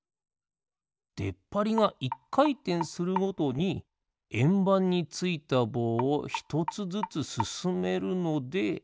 でっぱりが１かいてんするごとにえんばんについたぼうをひとつずつすすめるので。